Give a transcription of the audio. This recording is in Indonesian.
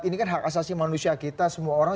ini kan hak asasi manusia kita semua orang